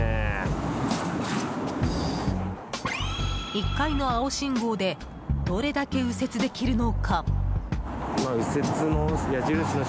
１回の青信号でどれだけ右折できるのか？